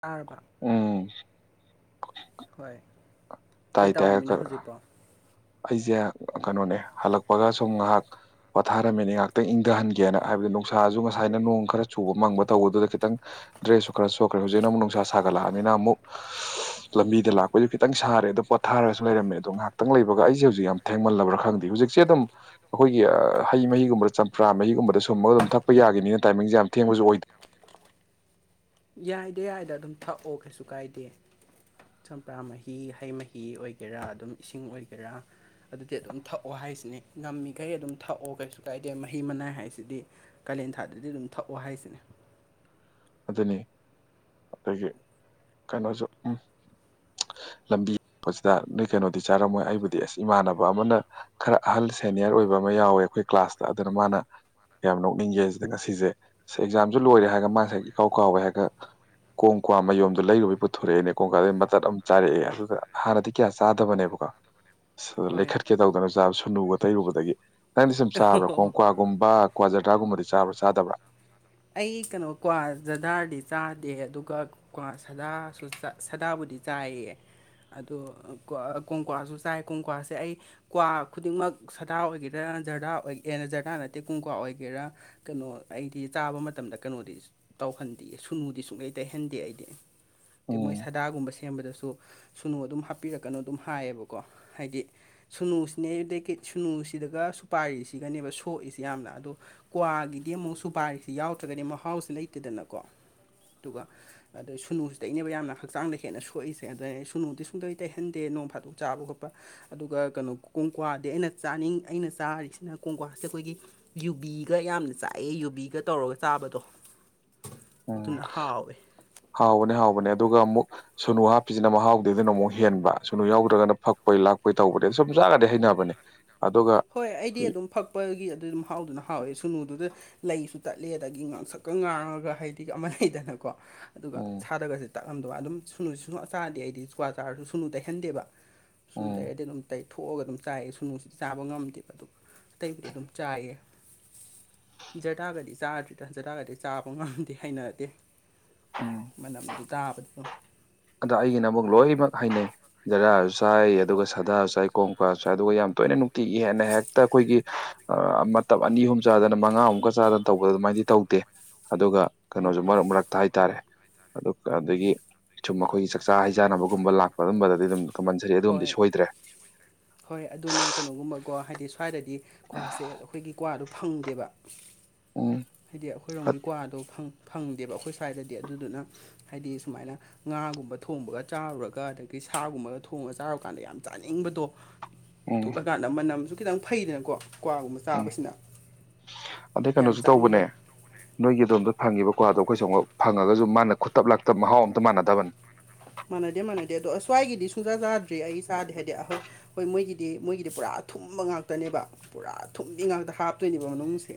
ꯇꯥꯔꯕ ꯎꯝ ꯍꯣꯏ ꯀꯩ ꯇꯥꯏ ꯇꯥꯏ ꯇꯧꯔꯝꯃꯤꯅꯣ ꯍꯧꯖꯤꯛ ꯑꯩꯁꯦ ꯀꯩꯅꯣꯅꯦ ꯍꯜꯂꯛꯄꯒ ꯁꯨꯝ ꯉꯥꯏꯍꯥꯛ ꯄꯣꯊꯥꯔꯝꯃꯤꯅꯦ ꯉꯥꯏꯍꯥꯛꯇꯪꯊꯍꯟꯒꯦꯅ ꯍꯥꯏꯕꯗꯤ ꯅꯨꯡꯁꯥꯁꯨ ꯉꯁꯥꯏꯅ ꯅꯣꯡ ꯈꯔ ꯆꯨꯕ ꯃꯪꯕ ꯇꯧꯕꯗꯨꯗ ꯈꯤꯇꯪ ꯗ꯭ꯔꯦꯁꯁꯨ ꯈꯔ ꯁꯨꯈ꯭ꯔꯦ ꯍꯧꯖꯤꯛꯅ ꯑꯃꯨꯛ ꯅꯨꯡꯁꯥ ꯁꯥꯒꯠꯂꯛꯑꯕꯅꯤꯅ ꯑꯃꯨꯛ ꯂꯝꯕꯤꯗ ꯂꯥꯛꯄꯁꯨ ꯈꯤꯇꯪ ꯁꯥꯔꯦ ꯄꯣꯊꯥꯔꯁꯨ ꯂꯩꯔꯝꯃꯦ ꯑꯗꯣ ꯉꯥꯏꯍꯥꯛꯇꯪ ꯂꯩꯕꯒ ꯑꯩꯁꯦ ꯍꯧꯖꯤꯛ ꯌꯥꯝ ꯊꯦꯡꯃꯜꯂꯕ꯭ꯔꯥ ꯈꯪꯗꯦ ꯍꯧꯖꯤꯛꯁꯦ ꯑꯗꯨꯝ ꯑꯩꯈꯣꯏꯒꯤ ꯍꯩ ꯃꯍꯤꯒꯨꯝꯕꯗ ꯆꯝꯄꯥ ꯃꯍꯤꯒꯨꯝꯕꯗ ꯁꯨꯝꯃꯒ ꯑꯗꯨꯝ ꯊꯛꯄ ꯌꯥꯒꯤꯅꯤꯅ ꯇꯥꯏꯃꯤꯡꯁꯦ ꯌꯥꯝ ꯊꯦꯡꯕꯁꯨ ꯑꯣꯏꯗꯦ ꯌꯥꯏꯗ ꯌꯥꯏꯗ ꯑꯗꯨꯝ ꯊꯛꯑꯣ ꯀꯩꯁꯨ ꯀꯥꯏꯗꯦ ꯆꯝꯄ꯭ꯔꯥ ꯃꯍꯤ ꯍꯩ ꯃꯍꯤ ꯑꯣꯏꯒꯦꯔꯥ ꯑꯗꯨꯝ ꯏꯁꯤꯡ ꯑꯣꯏꯒꯦꯔꯥ ꯑꯗꯨꯗꯤ ꯑꯗꯨꯝ ꯊꯛꯑꯣ ꯍꯥꯏꯁꯤꯅꯤ ꯉꯝꯃꯤꯈꯩ ꯑꯗꯨꯝ ꯊꯛꯑꯣ ꯀꯩꯁꯨ ꯀꯥꯏꯗꯦ ꯃꯍꯤ ꯃꯅꯥꯏ ꯍꯥꯏꯁꯤꯗꯤ ꯀꯥꯂꯦꯟꯊꯥꯗꯗꯤ ꯑꯗꯨꯝ ꯊꯛꯑꯣ ꯍꯥꯏꯁꯤꯅꯦ ꯑꯗꯨꯅꯤ ꯑꯗꯒꯤ ꯀꯩꯅꯣꯁꯨ ꯎꯝ [inaudible] ꯂꯝꯕꯤ [unintelligible] ꯅꯣꯏ ꯀꯩꯅꯣꯗꯤ ꯆꯥꯔꯝꯃꯣꯏ ꯑꯩꯕꯨꯗꯤ ꯑꯁ ꯏꯃꯥꯟꯅꯕ ꯑꯃꯅ ꯈꯔ ꯑꯍꯜ ꯁꯦꯅꯤꯌꯔ ꯑꯣꯏꯕ ꯑꯃ ꯌꯥꯎꯋꯦ ꯑꯩꯈꯣꯏ ꯀ꯭ꯂꯥꯁꯇ ꯑꯗꯨꯅ ꯃꯥꯅ ꯌꯥꯝ ꯅꯣꯛꯅꯤꯡꯒꯦꯖꯤꯗ ꯉꯁꯤꯁꯦ ꯑꯦꯛꯖꯥꯝꯁꯨ ꯂꯣꯏꯔꯦ ꯍꯥꯏꯔꯒ ꯃꯥ ꯍꯥꯏꯖꯦ ꯏꯀꯥꯎ ꯀꯥꯎꯋꯦ ꯍꯥꯏꯔꯒ ꯀꯣꯡ ꯀ꯭ꯋꯥ ꯃꯌꯨꯝꯗꯨꯣ ꯂꯩꯔꯨꯕꯩ ꯄꯨꯊꯣꯔꯛꯑꯦꯅꯦ ꯀꯣꯡꯀꯥꯗꯩ ꯃꯇꯠ ꯑꯃ ꯆꯥꯔꯛꯑꯦ ꯑꯗꯨꯒ ꯍꯥꯟꯅꯗꯤ ꯀꯌꯥ ꯆꯥꯗꯕꯅꯦꯕ [unintelligible] ꯂꯩꯈꯠꯀꯦ ꯇꯧꯗꯅ ꯆꯥꯁꯜꯂꯨꯕꯥꯗꯒꯤ ꯁꯨꯅꯨ ꯇꯩꯔꯨꯕꯗꯒꯤ ꯅꯪꯗꯤ ꯁꯨꯝ ꯆꯥꯕ꯭ꯔꯥ ꯀꯣꯡ ꯑꯣ ꯒꯨꯝꯕ ꯀ꯭ꯋꯥ ꯖꯥ꯭ꯔꯥꯒꯨꯝꯕꯗꯤ ꯆꯥꯕ꯭ꯔꯥ ꯆꯥꯗꯕ꯭ꯔꯥ ꯑꯩ ꯀꯩꯅꯣ ꯀ꯭ꯋꯥ ꯖꯗꯥꯔꯗꯤ ꯆꯥꯗꯦ ꯑꯗꯨꯒ ꯀꯋꯥ ꯁꯥꯗꯥꯁꯨ ꯁꯥꯗꯥꯕꯨꯗꯤ ꯆꯥꯏꯌꯦ ꯑꯗꯨꯗ ꯀꯣꯡꯀ꯭ꯋꯥꯁꯨ ꯆꯥꯏ ꯀꯣꯡꯀ꯭ꯋꯥꯁꯦ ꯑꯩ ꯀ꯭ꯋꯥ ꯈꯨꯗꯤꯡꯃꯛ ꯁꯥꯗꯥ ꯑꯣꯏꯒꯦꯔꯥ ꯖꯔꯗꯥꯅ ꯖꯔꯗꯥ ꯅꯠꯇꯦ ꯀ꯭ꯋꯣꯝ ꯀ꯭ꯋꯥ ꯑꯣꯏꯒꯦꯔꯥ ꯀꯩꯅꯣ ꯑꯩ [unintelligible] ꯆꯥꯕ ꯃꯇꯝꯗ ꯀꯩꯅꯣꯗꯤ ꯇꯧꯍꯟꯗꯦ ꯁꯨꯅꯨꯗꯤ ꯁꯨꯡꯂꯩ ꯇꯩꯍꯟꯗꯦ ꯑꯩꯗꯤ ꯑꯗꯩꯩ ꯎꯝ ꯃꯣꯏ ꯁꯥꯗꯥꯒꯨꯝꯕ ꯁꯦꯝꯕꯗꯁꯨ ꯁꯨꯅꯨ ꯑꯗꯨꯝ ꯍꯥꯞꯄꯤꯔꯛꯀꯅꯨ ꯑꯗꯨꯝ ꯍꯥꯏꯌꯦꯕꯀꯣ ꯍꯥꯏꯗꯤ ꯁꯨꯅꯨꯁꯤꯅꯦ ꯑꯗꯩꯩ ꯀꯩ ꯁꯨꯅꯨꯁꯤꯗꯒ ꯁꯨꯄꯥꯏꯔꯤꯁꯤꯒꯅꯦꯕ ꯁꯣꯛꯏꯁꯤ ꯌꯥꯝꯅ ꯑꯗꯣ ꯀ꯭ꯋꯥꯒꯤꯗꯤ ꯑꯃꯨꯛ ꯁꯨꯄꯥꯔꯤꯁꯤ ꯌꯥꯎꯗ꯭ꯔꯒꯗꯤ ꯃꯍꯥꯎꯁꯤ ꯂꯩꯇꯦꯗꯅꯀꯣ ꯑꯗꯨꯒ ꯑꯗ ꯁꯨꯅꯨꯁꯤꯗꯩꯅꯦꯕ ꯌꯥꯝꯅ ꯍꯛꯆꯥꯡꯗ ꯍꯦꯟꯅ ꯁꯣꯛꯏꯁꯦ ꯑꯗꯩ ꯁꯨꯅꯨꯗꯤ ꯁꯨꯡꯇꯩ ꯇꯩꯍꯟꯗꯦ ꯅꯣꯡ ꯐꯥꯗꯣꯛ ꯆꯥꯕ ꯈꯣꯠꯄ ꯑꯗꯨꯒ ꯀꯩꯅꯣ ꯀꯣꯡꯀ꯭ꯋꯥꯗꯤ ꯑꯩꯅ ꯆꯥꯅꯤꯡ ꯑꯩꯅ ꯆꯥꯔꯤꯁꯤꯅ ꯀꯣꯡꯀ꯭ꯋꯥꯁꯦ ꯑꯩꯈꯣꯏꯒꯤ ꯌꯨꯕꯤꯒ ꯌꯥꯝꯅ ꯆꯥꯛꯌꯦ ꯌꯨꯕꯤꯒ ꯇꯧꯔꯒ ꯆꯥꯕꯗꯣ ꯎꯝ ꯑꯗꯨꯅ ꯍꯥꯎꯋꯦ ꯍꯥꯎꯕꯅꯦ ꯍꯥꯎꯕꯅꯦ ꯑꯗꯨꯒ ꯑꯃꯨꯛ ꯁꯨꯅꯨ ꯍꯥꯞꯄꯤꯁꯤꯅ ꯃꯍꯥꯎꯗ ꯑꯗꯨꯅ ꯑꯃꯨꯛ ꯍꯦꯟꯕ ꯁꯨꯅꯨ ꯌꯥꯎꯗ꯭ꯔꯒꯅ ꯐꯛꯄꯣꯏ ꯂꯥꯛꯄꯣꯏ ꯇꯧꯕꯗꯤ ꯁꯨꯝ ꯆꯥꯒꯔꯥꯗꯤ ꯍꯩꯅꯕꯅꯦ ꯑꯗꯨꯒ ꯍꯣꯏ ꯑꯩꯗꯤ ꯑꯗꯨꯝ ꯐꯛꯄꯒꯤ ꯑꯗꯨ ꯑꯗꯨꯝ ꯍꯥꯎꯗꯨꯅ ꯍꯥꯎꯋꯦ ꯁꯨꯅꯨꯗꯨꯗ ꯂꯩꯁꯨ ꯇꯠꯂꯦ ꯑꯗꯒꯤ ꯉꯥꯡꯁꯛꯀ ꯉꯥꯡꯉꯒ ꯍꯥꯏꯗꯤ ꯑꯃ ꯂꯩꯗꯅꯀꯣ ꯑꯗꯨꯒ ꯎꯝ ꯁꯥꯗꯒꯁꯦ ꯇꯥꯛꯂꯝꯗ ꯑꯗꯨꯝ ꯁꯨꯅꯨ ꯁ ꯆꯥꯔꯗꯗꯤ ꯑꯩꯗꯤ ꯀ꯭ꯋꯥ ꯆꯥꯔꯁꯨ ꯁꯨꯅꯨ ꯇꯩꯍꯟꯗꯦꯕ ꯁꯨꯅꯨ ꯎꯝ ꯇꯩꯔꯗꯤ ꯑꯗꯨꯝ ꯇꯩ ꯊꯣꯛꯑꯒ ꯑꯗꯨꯝ ꯆꯥꯏꯑ ꯁꯨꯅꯨꯁꯤ ꯆꯥ ꯇꯧꯕ ꯉꯝꯗꯦꯕ ꯑꯗꯨ ꯑꯇꯩꯕꯨꯗꯤ ꯑꯗꯨꯝ ꯆꯥꯏꯌꯦ ꯖꯔꯒꯗꯤ ꯆꯥꯗꯦꯗ ꯖꯔꯒꯗꯤ ꯆꯥꯗꯧ ꯃꯥꯟꯗꯦ ꯍꯩꯅꯗꯦ ꯃꯅꯝꯗꯨ ꯇꯥꯕꯗ ꯑꯗꯣ ꯑꯩꯒꯤꯅ ꯑꯃꯨꯛ ꯂꯣꯏꯅꯃꯛ ꯍꯩꯅꯩ ꯖꯔꯗꯥꯔꯁꯨ ꯆꯥꯏ ꯑꯗꯨꯒ ꯁꯥꯗꯥꯁꯨ ꯆꯥꯏ ꯀꯣꯝ ꯀ꯭ꯋꯥꯁꯨ ꯑꯗꯨꯒ ꯌꯥꯝ ꯇꯣꯏꯅ ꯅꯨꯡꯇꯤꯒꯤ ꯍꯦꯟꯅ ꯍꯦꯛꯇ ꯑꯩꯈꯣꯏꯒꯤ ꯃꯇꯞ ꯑꯅꯤ ꯑꯍꯨꯝ ꯆꯥꯗꯅ ꯃꯉꯥꯃꯨꯛꯀ ꯆꯥꯗꯅ ꯇꯧꯕꯗ ꯑꯗꯨꯃꯥꯏꯅꯗꯤ ꯇꯧꯗꯦ ꯑꯗꯨꯒ ꯍꯣꯏ ꯀꯩꯅꯣꯁꯨ ꯍꯣꯏ ꯃꯔꯛ ꯃꯔꯛꯇ ꯍꯥꯏꯇꯥꯔꯦ ꯑꯗꯨ ꯑꯗꯒꯤ ꯁꯨꯝ ꯑꯩꯈꯣꯏꯒꯤ ꯆꯥꯛꯆꯥ ꯍꯩꯖꯥꯟꯅꯕꯒꯨꯝꯕ ꯂꯥꯛꯄ ꯑꯗꯨꯝꯕꯗꯗꯤ ꯑꯗꯨꯝ ꯀꯝꯄꯜꯁꯔꯤ ꯑꯗꯨꯝꯗꯤ ꯍꯣꯏ ꯁꯣꯏꯗ꯭ꯔꯦ ꯍꯣꯏ ꯑꯗꯨꯅꯦ ꯀꯩꯅꯣꯒꯨꯝꯕꯀꯣ ꯍꯥꯏꯗꯤ ꯁꯋꯥꯏꯗꯗꯤ ꯀ꯭꯭ꯋꯥꯁꯦ ꯑꯩꯈꯣꯏꯒꯤ ꯀ꯭ꯋꯥꯗꯣ ꯐꯪꯗꯦꯕ ꯎꯝ ꯍꯥꯏꯗꯤ ꯑꯩꯈꯣꯏꯔꯣꯝꯒꯤ ꯀ꯭ꯋꯥꯗꯣ ꯐꯪꯗꯦꯕ ꯑꯩꯈꯣꯏ ꯁ꯭ꯋꯥꯏꯗꯗꯤ ꯑꯗꯨꯗꯨꯅ ꯍꯥꯏꯗꯤ ꯁꯨꯃꯥꯏꯅ ꯉꯥꯒꯨꯝꯕ ꯊꯣꯡꯕꯒ ꯆꯥꯔꯨꯔꯒ ꯑꯗꯒꯤ ꯁꯥꯒꯨꯝꯕꯒ ꯊꯣꯡꯉꯒ ꯆꯥꯔꯨꯀꯥꯟꯗ ꯌꯥꯝ ꯆꯥꯅꯤꯡꯕꯗꯣ ꯎꯝ ꯇꯣꯛꯂꯀꯥꯟꯗ ꯃꯅꯝꯁꯨ ꯈꯤꯇꯪ ꯐꯩꯗꯅꯀꯣ ꯀ꯭ꯋꯥꯒꯨꯝꯕ ꯑꯣ ꯆꯥꯕꯁꯤꯅ ꯑꯗꯩ ꯌꯥꯝ ꯀꯩꯅꯣꯁꯨ ꯆꯥꯏ ꯇꯧꯕꯅꯦ ꯅꯣꯏꯒꯤ ꯑꯗꯣꯝꯗ ꯐꯪꯉꯤꯕ ꯀ꯭ꯋꯥꯗꯣ ꯑꯩꯈꯣꯏ ꯁꯣꯝꯗ ꯐꯪꯉꯒꯁꯨ ꯃꯥꯅ ꯈꯨꯠꯇꯞ ꯂꯥꯛꯇꯕ ꯃꯍꯥꯎ ꯑꯝꯇ ꯃꯥꯟꯅꯗꯕꯅꯤ ꯃꯥꯟꯅꯗꯦ ꯃꯥꯟꯅꯗꯦ ꯑꯗꯣ ꯁꯋꯥꯏꯒꯤꯗꯤ ꯁꯨꯡꯁꯥ ꯆꯥꯗ꯭ꯔꯤ ꯑꯩ ꯆꯥꯗꯦ ꯍꯥꯏꯗꯤ ꯑ [unintelligible] ꯍꯣꯏ ꯃꯣꯏꯒꯤꯗꯤ ꯃꯣꯏꯒꯤꯗꯤ ꯄꯨꯔꯥ ꯑꯊꯨꯝꯕꯤ ꯉꯥꯛꯇꯅꯦꯕ ꯄꯨꯔꯥ ꯊꯨꯝꯕꯤ ꯉꯥꯛꯇ ꯍꯥꯞꯇꯣꯏꯅꯦꯕ ꯃꯅꯨꯡꯁꯦ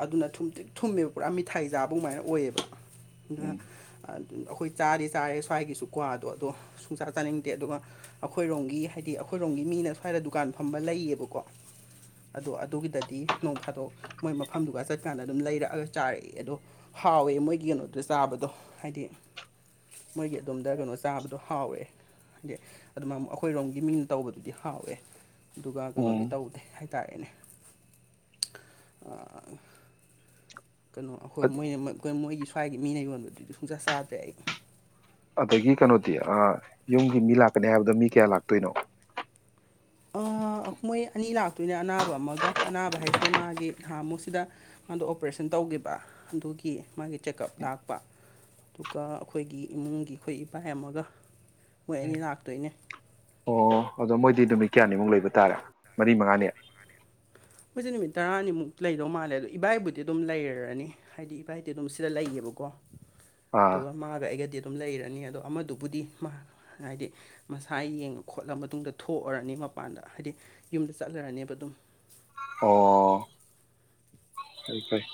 ꯑꯗꯨꯅ ꯊꯨꯝꯇꯤꯛ ꯊꯨꯝꯃꯦꯕ ꯄꯨꯔꯥ ꯃꯤꯊꯥꯏ ꯆꯥꯕꯒꯃꯥꯏꯅ ꯑꯣꯏꯌꯦꯕ ꯎꯝ ꯑꯗꯨ ꯑꯩꯈꯣꯏ ꯆꯥꯗꯤ ꯆꯥꯔꯦ ꯁ꯭ꯋꯥꯏꯒꯤꯁꯨ ꯀ꯭ꯋꯥꯗꯣ ꯑꯗꯣ ꯁꯨꯡꯆꯥꯥ ꯆꯥꯅꯤꯡꯗꯦ ꯑꯗꯨꯒ ꯑꯩꯈꯣꯏꯔꯣꯝꯒꯤ ꯍꯥꯏꯗꯤ ꯑꯩꯈꯣꯏꯔꯣꯝꯒꯤ ꯃꯤꯅ ꯁ꯭ꯋꯥꯏꯗ ꯗꯨꯀꯥꯟ ꯐꯝꯕ ꯂꯩꯌꯦꯕꯀꯣ ꯑꯗꯣ ꯑꯗꯨꯒꯤꯗꯗꯤ ꯅꯣꯡ ꯐꯥꯗꯣꯛ ꯃꯣꯏ ꯃꯐꯝꯗꯨꯒ ꯆꯠꯀꯥꯟꯗ ꯑꯗꯨꯝ ꯂꯩꯔꯛꯑꯒ ꯆꯥꯔꯛꯑꯦ ꯑꯗꯣ ꯍꯥꯎꯋꯦ ꯃꯣꯏꯒꯤ ꯀꯩꯅꯣꯗꯣ ꯆꯥꯕꯗꯣ ꯍꯥꯏꯗꯤ ꯃꯣꯏꯒꯤ ꯑꯗ ꯗ ꯀꯩꯅꯣ ꯆꯥꯕꯗꯣ ꯍꯥꯎꯋꯦ ꯍꯥꯏꯗꯤ ꯑꯗꯨꯃꯥꯏ ꯑꯩꯈꯣꯏꯔꯣꯝꯒꯤ ꯃꯤꯡꯅ ꯇꯧꯕꯗꯨꯗꯤ ꯍꯥꯎꯋꯦ ꯑꯗꯨꯒ ꯀꯩꯅꯣꯗꯤ ꯎꯝ ꯇꯧꯗꯦ ꯍꯥꯏꯇꯥꯔꯦꯅꯦ ꯀꯩꯅꯣ ꯑꯩꯈꯣꯏ ꯃꯣꯏ ꯃꯣꯏꯒꯤ ꯁ꯭ꯋꯥꯏꯒꯤ ꯃꯤꯅ ꯌꯣꯟꯕꯗꯨꯗꯤ ꯁꯨꯡꯆꯥ ꯆꯥꯗ꯭ꯔꯦ ꯑꯩ ꯑꯗꯒꯤ ꯀꯩꯅꯣꯗꯤ ꯌꯨꯝꯒꯤ ꯃꯤ ꯂꯥꯛꯀꯅꯤ ꯍꯥꯏꯕꯗꯣ ꯃꯤ ꯀꯌꯥ ꯂꯥꯛꯇꯣꯏꯅꯣ ꯑꯃꯥ ꯃꯣꯏ ꯑꯅꯤ ꯂꯥꯛꯇꯣꯏꯅꯦ ꯑꯅꯥꯕ ꯑꯃꯒ ꯑꯅꯥꯕ ꯍꯥꯏꯁꯦ ꯃꯥꯒꯤ ꯅꯍꯥꯃꯨꯛꯁꯤꯗ ꯃꯥꯗꯣ ꯑꯣꯄꯔꯦꯁꯟ ꯇꯧꯈꯤꯕ ꯑꯗꯨꯒꯤ ꯃꯥꯒꯤ ꯆꯦꯛꯑꯞ ꯂꯥꯛꯄ ꯑꯗꯨꯒ ꯑꯩꯈꯣꯏꯒꯤ ꯏꯃꯨꯡꯒꯤ ꯑꯩꯈꯣꯏ ꯏꯕꯥꯏ ꯑꯃꯒ ꯃꯣꯏ ꯑꯅꯤ ꯂꯥꯛꯇꯣꯏꯅꯦ ꯑꯣ ꯑꯗꯣ ꯃꯣꯏꯗꯤ ꯅꯨꯃꯤꯠ ꯀꯌꯥꯅꯤꯃꯨꯛ ꯂꯩꯕ ꯇꯥꯔꯦ ꯃꯔꯤ ꯃꯉꯥꯅꯤ ꯃꯣꯏꯁꯦ ꯅꯨꯃꯤꯠ ꯇꯔꯥꯅꯤꯃꯨꯛ ꯂꯩꯗꯧ ꯃꯥꯜꯂꯦ ꯑꯗꯣ ꯏꯕꯥꯏꯕꯨꯗꯤ ꯑꯗꯨꯝ ꯂꯩꯔꯅꯤ ꯍꯥꯏꯗꯤ ꯏꯕꯥꯏꯗꯤ ꯑꯗꯨꯝ ꯁꯤꯗ ꯂꯩꯌꯦꯕꯀꯣ ꯑꯥ ꯃꯥꯒ ꯑꯩꯒꯗꯤ ꯑꯗꯨꯝ ꯂꯩꯔꯅꯤ ꯑꯗꯣ ꯑꯃꯗꯨꯕꯨꯗꯤ ꯃꯥ ꯍꯥꯏꯗꯤ ꯃꯁꯥ ꯌꯦꯡꯉ ꯈꯣꯠꯂ ꯃꯇꯨꯡꯗ ꯊꯣꯛꯑꯔꯅꯤ ꯃꯄꯥꯟꯗ ꯍꯥꯏꯗꯤ ꯌꯨꯝꯗ ꯆꯠꯂꯔꯅꯦꯕ ꯑꯗꯨꯝ ꯑꯣ ꯐꯩ ꯐꯩ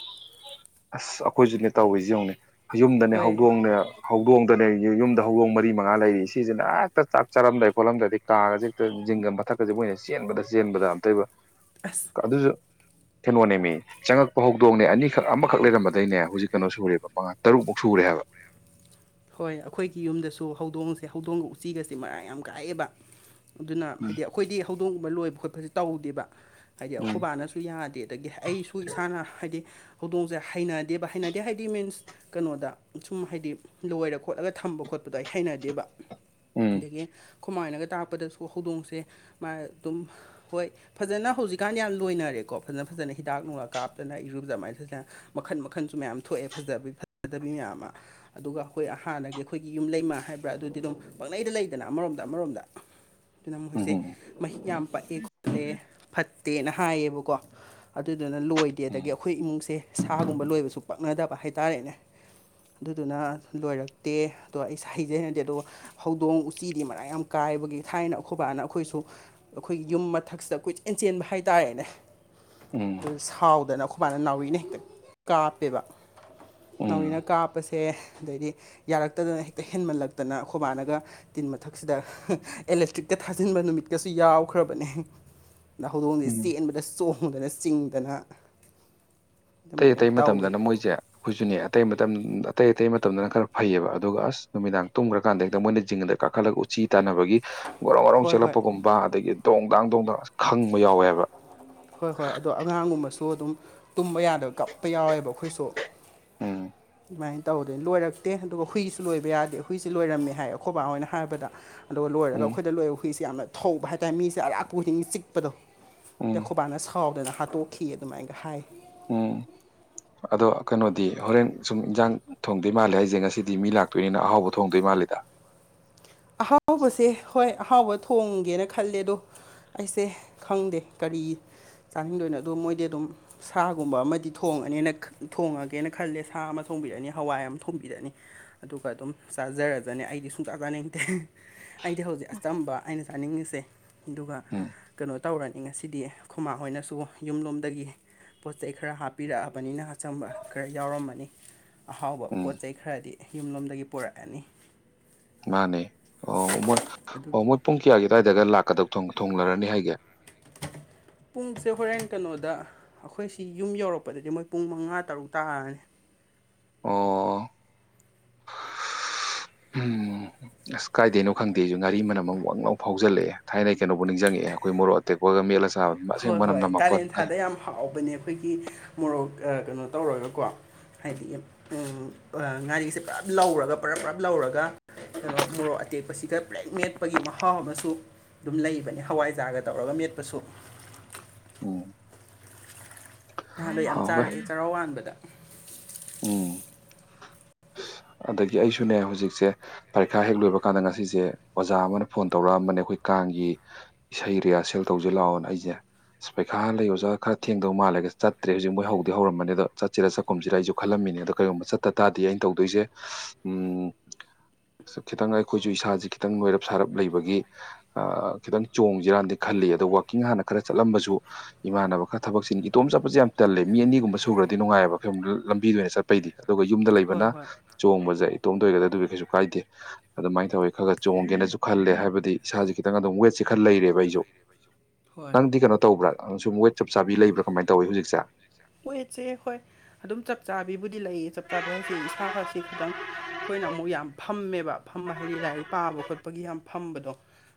ꯑꯁ ꯑꯩꯈꯣꯏꯁꯨꯅꯦ ꯇꯧꯋꯤꯖꯦ ꯌꯦꯡꯉꯨꯅꯦ ꯌꯨꯝꯗꯅꯦ ꯍꯣꯏ ꯍꯧꯗꯣꯡꯅꯦ ꯍꯧꯗꯣꯡꯗꯅꯦ ꯌꯨꯝꯗ ꯍꯧꯗꯣꯡ ꯃꯔꯤ ꯃꯉꯥ ꯂꯩꯔꯤ ꯁꯤꯁꯤꯅ ꯍꯦꯛꯇ ꯆꯥꯛ ꯆꯥꯔꯝꯗꯥꯏ ꯈꯣꯠꯂꯝꯗꯏꯗꯤ ꯀꯥꯒꯁ ꯍꯦꯛꯇ ꯖꯤꯡꯒꯥ ꯃꯊꯛꯀꯁꯦ ꯃꯣꯏꯅ ꯆꯦꯟꯕꯗ ꯆꯦꯟꯕꯗ ꯑꯝꯇ ꯑꯣꯏꯕ ꯑꯁ ꯑꯗꯨꯁꯨ ꯀꯩꯅꯣꯅꯦꯃꯤ ꯆꯪꯉꯛꯄ ꯍꯧꯗꯣꯡꯅꯦ ꯑꯅꯤꯈꯛ ꯑꯃꯈꯛ ꯂꯩꯔꯝꯕꯗꯩꯅꯦ ꯍꯧꯖꯤꯛ ꯀꯩꯅꯣ ꯁꯨꯔꯦꯕ ꯃꯉꯥ ꯇꯔꯨꯛꯃꯨꯛ ꯁꯨꯔꯦ ꯍꯥꯏꯕ ꯍꯣꯏ ꯑꯩꯈꯣꯏꯒꯤ ꯌꯨꯝꯗꯁꯨ ꯍꯧꯗꯣꯡꯁꯦ ꯍꯧꯗꯣꯡꯒ ꯎꯆꯤꯒꯁꯦ ꯃꯔꯥꯡ ꯌꯥꯝ ꯀꯥꯏꯑꯦꯕ ꯑꯗꯨꯅ ꯎꯝ ꯍꯥꯏꯗꯤ ꯑꯩꯈꯣꯏꯗꯤ ꯍꯧꯗꯣꯡꯒꯨꯝꯕ ꯂꯣꯏꯕ ꯈꯣꯠꯄꯁ ꯇꯧꯗꯦꯕ ꯍꯥꯏꯗꯤ ꯑꯩꯈꯣꯏꯕꯥꯅꯁꯨ ꯁꯨ ꯌꯥꯗꯦ ꯑꯗꯒꯤ ꯑꯩꯁꯨ ꯏꯁꯥꯅ ꯍꯥꯏꯗꯤ ꯍꯧꯗꯣꯡꯁꯦ ꯍꯩꯅꯗꯦꯕ ꯍꯩꯅꯗꯦ ꯍꯥꯏꯗꯤ ꯃꯤꯟꯁ ꯀꯩꯅꯣꯗ ꯁꯨꯝ ꯍꯥꯏꯗꯤ ꯂꯣꯏꯔ ꯈꯣꯠꯂꯒ ꯊꯝꯕ ꯈꯣꯠꯄꯗꯣ ꯑꯩ ꯍꯩꯅꯗꯦꯕ ꯎꯝ ꯑꯗꯒꯤ ꯈꯨꯃꯥꯏꯅꯒ ꯇꯥꯛꯄꯗꯁꯨ ꯍꯧꯗꯣꯡꯁꯦ ꯃꯥ ꯑꯗꯨꯝ ꯍꯣꯏ ꯐꯖꯅ ꯍꯧꯖꯤꯛꯀꯥꯟ ꯌꯥꯝ ꯂꯣꯏꯅꯔꯦꯀꯣ ꯐꯖꯅ ꯐꯖꯅ ꯍꯤꯗꯥꯛ ꯅꯨꯡꯉꯥ ꯀꯥꯞꯇꯅ ꯏꯔꯨꯗꯃꯥꯏꯅ ꯐꯖꯅ ꯃꯈꯟ ꯃꯈꯟꯁꯨ ꯃꯌꯥꯝ ꯊꯣꯛꯑꯦ ꯐꯖꯕꯤ ꯐꯖꯗꯕꯤ ꯃꯌꯥꯝ ꯑꯃ ꯑꯗꯨꯒ ꯑꯩꯈꯣꯏ ꯍꯥꯟꯅꯒꯤ ꯑꯩꯈꯣꯏꯒꯤ ꯌꯨꯝ ꯂꯩꯃ ꯍꯥꯏꯕ꯭ꯔꯥ ꯑꯗꯨꯗꯤ ꯑꯗꯨꯝ ꯄꯪꯪꯂꯩꯗ ꯂꯩꯗꯅ ꯑꯃꯔꯣꯝꯗ ꯑꯃꯔꯣꯝꯗ ꯑꯗꯨꯅ ꯎꯝ ꯃꯈꯣꯏꯁꯦ ꯎꯝ ꯃꯍꯤꯛ ꯌꯥꯝ ꯄꯛꯑꯦ ꯈꯣꯠꯂꯦ ꯐꯠꯇꯦꯅ ꯍꯥꯏꯌꯦꯕꯀꯣ ꯑꯗꯨꯗꯨꯅ ꯂꯣꯏꯗꯦ ꯎꯝ ꯑꯗꯒꯤ ꯑꯩꯈꯣꯏ ꯏꯃꯨꯡꯁꯦ ꯁꯥꯒꯨꯝꯕ ꯂꯣꯏꯕꯁꯨ ꯄꯛꯅꯗꯕ ꯍꯥꯏꯇꯥꯔꯦꯅꯦ ꯑꯗꯨꯅ ꯂꯣꯏꯔꯛꯇꯦ ꯑꯗꯣ ꯑꯩꯁ ꯍꯩꯅꯗꯦ ꯑꯗꯨꯒꯗ ꯍꯧꯗꯣꯡ ꯎꯆꯤꯗꯤ ꯃꯔꯥꯡ ꯌꯥꯝ ꯀꯥꯏꯕꯒꯤ ꯊꯥꯏꯅ ꯑꯩꯈꯣꯏꯕꯥꯅ ꯑꯩꯈꯣꯏꯁꯨ ꯑꯩꯈꯣꯏꯒꯤ ꯌꯨꯝ ꯃꯊꯛꯁꯤꯗ ꯀꯣꯏꯆꯦꯟ ꯆꯦꯟꯕ ꯍꯥꯏꯇꯥꯔꯦꯅꯦ ꯎꯝ ꯑꯗꯨ ꯁꯥꯎꯗꯅ ꯑꯩꯈꯣꯏ ꯃꯥꯅ ꯅꯥꯎꯔꯤꯅ ꯍꯦꯛꯇ ꯀꯥꯞꯄꯦꯕ ꯅꯥꯎꯔꯤꯅ ꯎꯝ ꯀꯥꯞꯄ ꯄꯁꯦ ꯑꯗꯩꯗꯤ ꯌꯥꯔꯛꯇꯗꯅ ꯍꯦꯛꯇ ꯍꯦꯟꯃꯜꯂꯛꯇꯅ ꯑꯩꯈꯣꯏꯕꯥꯅꯒ ꯇꯤꯟ ꯃꯊꯛꯁꯤꯗ ꯑꯦꯂꯦꯛꯇ꯭ꯔꯤꯛꯇ ꯊꯥꯖꯤꯟꯕ ꯅꯨꯃꯤꯠꯀꯁꯨ ꯌꯥꯎꯈ꯭ꯔꯕꯅꯦ ꯍꯧꯗꯣꯡꯁꯦ ꯎꯝ ꯆꯦꯟꯕꯗ ꯆꯣꯡꯗꯅ ꯆꯤꯡꯗꯅ ꯑꯇꯩ ꯑꯗꯨꯃꯥꯏꯅ ꯑꯇꯩ ꯇꯧꯋꯦ ꯃꯇꯝꯗꯅ ꯃꯣꯏꯁꯦ ꯑꯩꯈꯣꯏꯁꯨꯅꯦ ꯑꯇꯩ ꯃꯇꯝ ꯑꯇꯩ ꯑꯇꯩ ꯃꯇꯝꯗꯅ ꯈꯔ ꯐꯩꯑꯕ ꯑꯗꯨꯒ ꯑꯁ ꯅꯨꯃꯤꯗꯥꯡ ꯇꯨꯡꯈ꯭ꯔ ꯑꯗꯨ ꯀꯟꯗꯥ ꯃꯣꯌꯅ ꯖꯤꯡ ꯒꯗ ꯀꯈꯠꯂꯒꯥ ꯆ ꯇꯥꯟꯅꯕꯒꯤ ꯉꯔꯧ ꯉꯔꯧ ꯍꯣꯏ ꯍꯣꯏ ꯆꯦꯜꯂꯛꯄꯒꯨꯝꯕ ꯑꯗꯒꯤ ꯗꯣꯡꯗꯥꯥꯡ ꯗꯣꯡꯗ ꯑꯁ ꯈꯪꯕ ꯌꯥꯎꯋꯦꯕ ꯍꯣꯏ ꯍꯣꯏ ꯑꯗꯣ ꯑꯉꯥꯡꯒꯨꯝꯕꯁꯨ ꯑꯗꯨꯝ ꯇꯨꯝꯕ ꯌꯥꯗꯕ ꯀꯞꯄ ꯌꯥꯎꯋꯦꯕ ꯑꯩꯈꯣꯏꯁꯨ ꯎꯝ ꯑꯗꯨꯨꯃꯥꯏꯅ ꯇꯧꯔꯗꯅꯤ ꯂꯣꯏꯔꯛꯇꯦ ꯑꯗꯨꯒ ꯍꯨꯏꯁꯨ ꯂꯣꯏꯕ ꯌꯥꯗꯦ ꯍꯨꯏꯁꯨ ꯂꯣꯏꯔꯝꯃꯦ ꯍꯥꯏ ꯑꯩꯈꯣꯏꯕꯥ ꯍꯣꯏꯅ ꯍꯥꯏꯕꯗ ꯑꯗꯨꯒ ꯂꯣꯏꯔꯒ ꯎꯝ ꯑꯩꯈꯣꯏꯗ ꯂꯣꯏꯕ ꯍꯨꯏꯁꯦ ꯌꯥꯝꯅ ꯊꯧꯕ ꯍꯥꯏꯇꯥꯔꯦ ꯃꯤꯁꯦ ꯑꯔꯥꯞꯄ ꯈꯨꯗꯤꯡ ꯆꯤꯛꯄꯗꯣ ꯎꯝ ꯗꯈꯣꯕꯥꯅ ꯁꯥꯎꯗꯅ ꯍꯥꯠꯇꯣꯛꯈꯤ ꯑꯗꯨꯃꯥꯏꯒ ꯍꯥꯏ ꯑꯣ ꯑꯗꯣ ꯀꯩꯅꯣꯗꯤ ꯍꯣꯔꯦꯟ ꯁꯨꯝ ꯏꯟꯁꯥꯡ ꯊꯣꯡꯗꯣꯏ ꯃꯥꯜꯂꯦ ꯍꯥꯏꯁꯦ ꯉꯁꯤꯗꯤ ꯃꯤ ꯂꯥꯛꯇꯣꯏꯅꯤꯅ ꯑꯍꯥꯎꯕ ꯊꯣꯡꯗꯣꯏ ꯃꯥꯜꯂꯦꯗ ꯑꯍꯥꯎꯕꯁꯦ ꯍꯣꯏ ꯑꯍꯥꯎꯕ ꯊꯣꯡꯒꯦꯅ ꯈꯜꯂꯦ ꯑꯗꯣ ꯑꯩꯁꯦ ꯈꯪꯗꯦ ꯀꯔꯤ ꯆꯥꯅꯤꯡꯗꯣꯏꯅꯣ ꯑꯗꯨꯣ ꯃꯣꯏꯗꯤ ꯑꯗꯨꯝ ꯁꯥꯒꯨꯝꯕ ꯑꯃꯗꯤ ꯊꯣꯡꯉꯅꯤꯅ ꯊꯣꯡꯉꯒꯦꯅ ꯈꯜꯂꯦ ꯁꯥ ꯑꯃ ꯊꯣꯡꯕꯤꯔꯅꯤ ꯍꯋꯥꯏ ꯑꯃ ꯊꯣꯡꯝꯕꯤꯔꯅꯤ ꯑꯗꯨꯒ ꯑꯗꯨꯝ ꯆꯥꯖꯔꯖꯅꯦ ꯑꯩꯗꯤ ꯁꯨꯡ ꯆꯥ ꯆꯥꯅꯤꯡ ꯑꯩꯗꯤ ꯍꯧꯖꯤꯛ ꯑꯆꯝꯕ ꯑꯩꯅ ꯆꯥꯅꯤꯡꯉꯤꯁꯦ ꯑꯗꯨꯒ ꯎꯝ ꯀꯩꯅꯣ ꯇꯧꯔꯅꯤ ꯉꯁꯤꯗꯤ ꯈꯨꯃꯥꯡ ꯍꯣꯏꯅꯁꯨ ꯌꯨꯝꯂꯣꯝꯗꯒꯤ ꯄꯣꯠ ꯆꯩ ꯈꯔ ꯍꯥꯞꯄꯤꯔꯛꯑꯕꯅꯤꯅ ꯑꯆꯪꯝꯕ ꯈꯔ ꯌꯥꯎꯔꯝꯃꯅꯤ ꯑꯍꯥꯎꯕ ꯎꯝ ꯄꯣꯠ ꯆꯩꯩ ꯈꯔꯗꯤ ꯌꯨꯝꯂꯣꯝꯗꯒꯤ ꯄꯨꯔꯛꯑꯅꯤ ꯃꯥꯅꯦ ꯑꯣ ꯃꯣꯏ ꯑꯣ ꯑꯗꯨꯒꯤ ꯃꯣꯏ ꯄꯨꯡ ꯀꯌꯥꯒꯤ ꯑꯗꯨꯋꯥꯏꯗꯒ ꯂꯥꯛꯀꯗꯧ ꯊꯣꯡꯂꯔꯅꯤ ꯍꯥꯏꯒꯦ ꯄꯨꯡꯁꯦ ꯍꯣꯔꯦꯟ ꯀꯩꯅꯣꯗ ꯑꯩꯈꯣꯏꯁꯤ ꯌꯨꯝ ꯌꯧꯔꯛꯄꯗꯗꯤ ꯃꯣꯏ ꯄꯨꯡ ꯃꯉꯥ ꯇꯔꯨꯛ ꯇꯥꯔꯅꯤ ꯑꯣ ꯎ ꯀꯥꯏꯗꯦꯅꯣ ꯈꯪꯗꯦꯁꯨ ꯉꯔꯤ ꯃꯅꯝꯨꯪꯥꯎꯖꯜꯂꯑꯦ ꯊꯥꯏꯅ ꯀꯩꯅꯕꯨ ꯅꯤꯡꯁꯤꯡꯉꯛꯑꯦꯈꯣꯏꯣꯔꯠ ꯇꯦꯛꯀꯣꯠꯇ ꯃꯦꯠꯂꯒ ꯆꯥꯕ ꯑꯗꯨ ꯑꯁꯦꯡ ꯍꯣꯏ ꯃꯅꯝ ꯍꯣꯏ ꯅꯥꯃꯛꯄ꫰ ꯀꯥꯂꯦꯟ ꯊꯥꯗ ꯋꯥꯠꯅꯦ ꯌꯥꯝ ꯍꯥꯎꯕꯅꯦ ꯑꯩꯈꯣꯏꯒꯤ ꯃꯣꯔꯣꯛ ꯀꯩꯅꯣ ꯇꯧꯔꯒꯀꯣ ꯍꯥꯏꯗꯤ ꯉꯥꯔꯤꯁꯦ ꯄꯨꯔꯞ ꯂꯧꯔꯒ ꯄꯨꯔꯞ ꯄꯨꯔꯞ ꯂꯧꯔꯒ ꯀꯩꯅꯣ ꯃꯣꯔꯣꯛ ꯑꯇꯦꯛꯄꯁꯤꯗ ꯄꯨ꯭ꯂꯦꯛ ꯃꯦꯠꯄꯒꯤ ꯃꯍꯥꯎ ꯑꯃꯁꯨ ꯑꯗꯨꯝ ꯂꯩꯕꯅꯦ ꯍꯋꯥꯏꯖꯥꯒ ꯇꯧꯔꯒ ꯃꯦꯠꯄꯁꯨ ꯎꯝ ꯅꯍꯥꯟꯋꯥ ꯌꯥꯝ ꯍꯥꯎꯋꯦ ꯆꯥꯔꯛꯑꯦ ꯆꯔꯥ ꯋꯥꯥꯟꯕꯗ ꯎꯝ ꯑꯗꯒꯤ ꯑꯩꯁꯨꯅꯦ ꯍꯧꯖꯤꯛꯁꯦ ꯄꯔꯤꯈꯥ ꯍꯦꯛ ꯂꯣꯏꯕ ꯀꯥꯟꯗ ꯉꯁꯤꯁꯦ ꯑꯣꯖꯥ ꯑꯃꯅ ꯐꯣꯟ ꯇꯧꯔꯛꯑꯝꯕꯅꯦ ꯑꯩꯈꯣꯏ ꯀꯥꯡꯒꯤ ꯏꯁꯩ ꯔꯤꯍꯔꯁꯦꯜ ꯇꯧꯁꯤ ꯂꯥꯛꯑꯣꯅꯦ ꯑꯩꯁꯦ ꯑ ꯄꯩꯈꯥ ꯂꯩꯌ ꯑꯣꯖꯥ ꯈꯔ ꯊꯦꯡꯗꯧ ꯃꯥꯜꯂꯦꯒ ꯆꯠꯇ꯭ꯔꯦ ꯍꯧꯖꯤꯛ ꯃꯣꯏ ꯍꯧꯗꯤ ꯍꯧꯔꯝꯕꯅꯦꯗꯣ ꯆꯠꯁꯤꯔ ꯆꯠꯄ ꯀꯨꯝꯁꯤꯗ ꯑꯩꯁꯨ ꯈꯜꯂꯝꯃꯤꯅꯦ ꯑꯣ ꯀꯩꯒꯨꯝꯕ ꯆꯠꯇꯥꯗꯗꯤ ꯑꯩꯅ ꯇꯗꯣꯏꯁꯦ ꯎꯝ ꯈꯤꯇꯪ ꯑꯩꯈꯣꯏꯁꯨ ꯏꯁꯥꯁꯦ ꯈꯤꯇꯪ ꯅꯣꯏꯔꯞ ꯁꯥꯔꯞ ꯂꯩꯕꯒꯤ ꯈꯤꯇꯪ ꯆꯣꯡꯁꯤꯔꯥꯟꯗꯤ ꯈꯜꯂꯤ ꯑꯗꯣ ꯋꯥꯛꯀꯤꯡ ꯍꯥꯟꯅ ꯈꯔ ꯆꯠꯂꯝꯕꯁꯨ ꯏꯃꯥꯟꯅꯕ ꯈꯔ ꯊꯕꯛꯁꯤ ꯏꯇꯣꯝ ꯆꯠꯄꯁꯦ ꯌꯥꯝ ꯇꯜꯂꯦ ꯃꯤ ꯑꯅꯤꯒꯨꯝꯕ ꯁꯨꯈ꯭ꯔꯗꯤ ꯅꯨꯡꯉꯥꯏꯕꯨꯝ ꯂꯝꯕꯤꯗ ꯑꯣꯏꯅ ꯆꯠꯄꯩꯗꯤ ꯑꯗꯨꯒ ꯌꯨꯝꯗ ꯍꯣꯏ ꯂꯩꯕꯅ ꯍꯣꯏ ꯆꯣꯡꯕꯁꯦ ꯏꯇꯣꯝꯗ ꯑꯣꯏꯒꯗ ꯑꯗꯨꯗꯤ ꯀꯩꯁꯨ ꯀꯥꯏꯗꯦ ꯑꯗꯨꯃꯥꯏꯅ ꯇꯧꯋꯤ ꯈꯔ ꯈꯔ ꯆꯣꯡꯒꯦꯅꯁꯨ ꯈꯜꯂꯦ ꯍꯥꯏꯕꯗꯤ ꯏꯁꯥꯁꯦ ꯈꯤꯇꯪ ꯑꯗꯨꯝ ꯋꯦꯠꯁꯦ ꯈꯔ ꯂꯩꯔꯦꯕ ꯑꯩꯁꯨ ꯍꯣꯏ ꯅꯪꯗꯤ ꯀꯩꯅꯣ ꯇꯧꯕ꯭ꯔꯥ ꯅꯪ ꯁꯨꯝ ꯋꯦꯠ ꯆꯞ ꯆꯥꯕꯤ ꯂꯩꯕ꯭ꯔꯥ ꯀꯃꯥꯏꯅ ꯇꯧꯋꯤ ꯍꯧꯖꯤꯛꯁꯦ ꯦꯠꯁꯦ ꯍꯣꯏ ꯑꯗꯨꯝ ꯆꯞ ꯆꯥꯕꯤꯕꯨꯗꯤ ꯂꯩꯌꯦ ꯆꯞ ꯆꯥꯕꯤ ꯍꯥꯏꯁꯦ ꯏꯁꯥꯁꯤ ꯈꯤꯇꯪ ꯑꯩꯈꯣꯏꯅ ꯑꯃꯨꯛ ꯌꯥꯝ ꯐꯝꯃꯦꯕ ꯐꯃ ꯍꯥꯏꯗꯤ ꯂꯥꯏꯔꯤꯛ ꯄꯥꯕ ꯈꯣꯠꯄꯒꯤ ꯌꯥꯝ ꯐꯝꯕꯗꯣ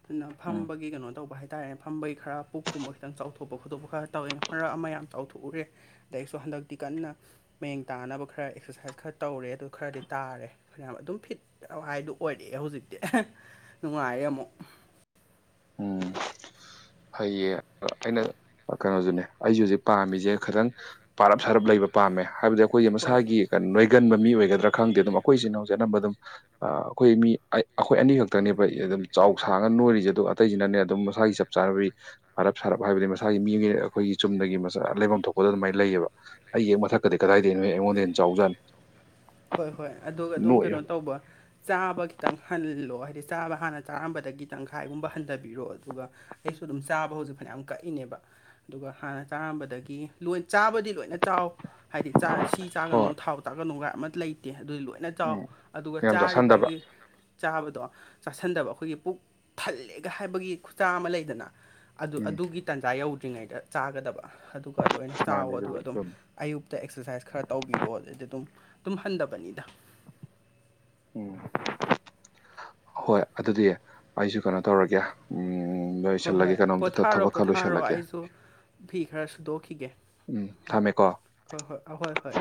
ꯑꯗꯨꯅ ꯎꯝ ꯐꯝꯕꯒꯤ ꯀꯩꯅꯣ ꯇꯧꯕ ꯍꯥꯏꯔꯦ ꯍꯥꯏꯇꯥꯔꯦꯅꯦ ꯐꯝꯕꯒꯤ ꯈꯔ ꯄꯨꯛꯀꯨꯝꯕ ꯈꯤꯇꯪ ꯆꯥꯎꯊꯣꯛꯄ ꯈꯣꯇꯣꯛꯄ ꯈꯔ ꯇꯧꯋꯦ ꯃꯔꯛ ꯑꯃ ꯌꯥꯝ ꯆꯥꯎꯊꯣꯛꯎꯔꯦ ꯑꯗꯒꯤꯁꯨ ꯍꯟꯗꯛꯇꯤ ꯀꯟꯅ ꯃꯌꯦꯡ ꯇꯥꯅꯕ ꯈꯔ ꯑꯦꯛꯁꯔꯁꯥꯏꯁ ꯈꯔ ꯇꯧꯔꯦ ꯑꯗꯨ ꯈꯔꯗꯤ ꯇꯥꯔꯦ ꯐꯅ ꯑꯗꯨꯝ ꯐꯤꯠ ꯍꯥꯏꯗꯨꯣ ꯑꯣꯏꯔꯛꯑꯦ ꯍꯧꯖꯤꯛꯇꯤ ꯅꯨꯡꯉꯥꯏꯔꯦ ꯑꯃꯨꯛ [inaudible] ꯍꯩꯌꯦ ꯑꯩꯅ ꯀꯩꯅꯣꯁꯨꯅꯦ ꯑꯩꯁꯨꯦꯍꯧꯖꯤꯛ ꯄꯥꯝꯃꯤꯁꯦ ꯈꯤꯇꯪ ꯄꯥꯔꯞ ꯁꯥꯔꯞ ꯂꯩꯕ ꯄꯥꯝꯃꯦ ꯍꯥꯏꯕꯗꯤ ꯑꯩꯈꯣꯏꯒꯤ ꯍꯣꯏ ꯃꯁꯥꯒꯤ ꯀꯩꯅꯣ ꯒꯟꯕ ꯃꯤ ꯑꯣꯏꯒꯗ꯭ꯔꯥ ꯈꯪꯗꯦ ꯑꯗꯨꯝ ꯑꯩꯈꯣꯏꯆꯤꯅꯥꯎꯁꯦ ꯑꯅꯝꯕ ꯑꯗꯨꯝ ꯑ ꯑꯩꯈꯣꯏ ꯃꯤ ꯑꯩꯈꯣꯏ ꯑꯅꯤ ꯈꯛꯇꯅꯦꯕ ꯑꯗꯨꯝ ꯆꯥꯎ ꯁꯥꯡꯉ ꯅꯣꯏꯔꯤꯁꯦ ꯑꯗꯨꯒ ꯑꯇꯩꯁꯤꯅꯅꯦ ꯑꯗꯨꯝ ꯃꯁꯥꯒꯤ ꯆꯞ ꯆꯥꯅꯕꯤ ꯐꯔꯞ ꯁꯥꯔꯞ ꯍꯥꯏꯕꯗꯤ ꯃꯁꯥꯒꯤ ꯃꯤ ꯑꯩꯈꯣꯏꯒꯤ ꯆꯨꯝꯅꯒꯤ ꯃꯁ ꯂꯩꯐꯝ ꯊꯣꯛꯄꯗ ꯑꯗꯨꯃꯥꯏꯅ ꯂꯩꯌꯦꯕ ꯑꯩꯒꯤ ꯃꯊꯛ ꯀꯩ ꯀꯗꯥꯏꯗꯒꯤꯅꯣ ꯑꯩꯉꯣꯟꯗ ꯍ ꯌꯥꯝ ꯆꯥꯎꯖꯥꯠꯅꯤ ꯍꯣꯏ ꯍꯣꯏ ꯑꯗꯨꯒ ꯑꯗꯨꯝ ꯅꯣꯏ ꯀꯩꯅꯣ ꯇꯧꯕ ꯆꯥꯕ ꯈꯤꯇꯪ ꯍꯜꯂꯣ ꯍꯥꯏꯗꯤ ꯆꯥꯕ ꯍꯥꯟꯅ ꯆꯥꯔꯝꯕꯗꯒꯤ ꯇꯪꯈꯥꯏꯒꯨꯝꯕ ꯍꯟꯊꯕꯤꯔꯣ ꯑꯗꯨꯒ ꯑꯩꯁꯨ ꯑꯗꯨꯝ ꯆꯥꯕ ꯍꯧꯖꯤꯛ ꯐꯅꯌꯥꯝ ꯀꯛꯏꯅꯦꯕ ꯑꯗꯨꯒ ꯍꯥꯟꯅ ꯆꯥꯔꯝꯕꯗꯒꯤ ꯂꯣꯏ ꯆꯥꯕꯗꯤ ꯂꯣꯏꯅ ꯆꯥꯎ ꯍꯥꯏꯗꯤ ꯆꯥ ꯁꯤ ꯆꯥꯒꯅꯨ ꯍꯣꯏ ꯊꯥꯎ ꯆꯥꯒꯅꯨꯒꯥꯏ ꯑꯃ ꯂꯩꯇꯦ ꯑꯗꯨꯗꯤ ꯂꯣꯏ ꯐꯅ ꯆꯥꯎ ꯎꯝ ꯑꯗꯨꯒ ꯌꯥꯝ ꯆꯥꯔꯤꯕ ꯆꯥꯁꯟꯗꯕ ꯑꯩꯒꯤ ꯆꯥꯕꯗꯣ ꯆꯥꯁꯟꯗꯕ ꯑꯩꯈꯣꯏꯒꯤ ꯄꯨꯛ ꯊꯜꯂꯦꯒ ꯍꯥꯏꯕꯒꯤ ꯈꯨꯠꯆꯥ ꯑꯃ ꯂꯩꯗꯅ ꯑꯗꯨ ꯎꯝ ꯑꯗꯨꯒꯤ ꯇꯥꯟꯖꯥ ꯌꯧꯗ꯭ꯔꯤꯉꯩꯗ ꯆꯥꯒꯗꯕ ꯑꯗꯨꯒ ꯂꯣꯏꯅ ꯆꯥꯎ ꯃꯥꯅꯦ ꯑꯗꯨꯒ ꯑꯗꯨꯕꯨ ꯑꯗꯨꯝ ꯆꯨꯝꯃꯤ ꯑꯌꯨꯛꯇ ꯑꯦꯛꯁꯔꯁꯥꯏꯁ ꯈꯔ ꯇꯧꯕꯤꯔꯣ ꯑꯗꯨꯗꯗꯤ ꯑꯗꯨꯝ ꯑꯗꯨꯝ ꯍꯟꯗꯕꯅꯤꯗ ꯎꯝ ꯍꯣꯏ ꯑꯗꯨꯗꯤ ꯑꯩꯁꯨ ꯀꯩꯅꯣ ꯇꯧꯔꯒꯦ ꯎꯝ ꯍꯣꯏ ꯍꯣꯏ ꯂꯣꯏꯁꯤꯜꯂꯒꯦ ꯀꯩꯅꯣꯝꯇ ꯄꯣꯊꯥꯔꯣ ꯊꯕꯛ ꯈꯔ ꯄꯣꯊꯥꯔꯣ ꯂꯣꯏꯁꯤꯜꯂꯒꯦ ꯑꯩꯁꯨ ꯐꯤ ꯈꯔ ꯁꯨꯗꯣꯛꯈꯤꯒꯦ ꯎꯝ ꯎ ꯊꯝꯃꯦꯀꯣ ꯍꯣꯏ ꯍꯣꯏ ꯑꯍꯣꯏ ꯍꯣꯏ